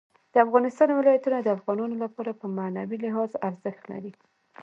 د افغانستان ولايتونه د افغانانو لپاره په معنوي لحاظ ارزښت لري.